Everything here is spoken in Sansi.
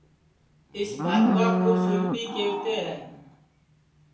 اِس بھاتوا کُو سُولپی کیہوتے ہے